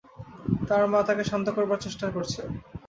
তার মা তাকে শান্ত করবার চেষ্টা করছে।